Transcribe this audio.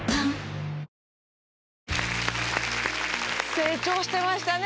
成長してましたね。